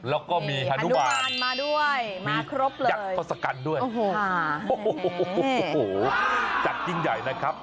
แล้วก็มีฮานุบาลมียักษ์อสกันด้วยจักรยิ่งใหญ่นะครับ